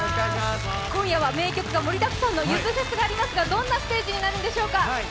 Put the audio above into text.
今夜は名曲が盛りだくさんのゆずフェスがありますがどんなステージになりますか。